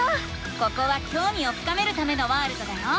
ここはきょうみを深めるためのワールドだよ。